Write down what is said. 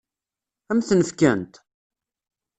Ad m-ten-fkent?